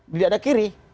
tidak ada kiri